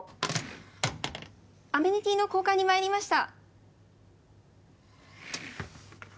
アメニティーの交換にまいりました。